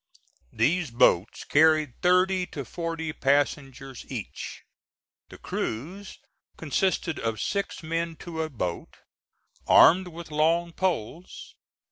These boats carried thirty to forty passengers each. The crews consisted of six men to a boat, armed with long poles.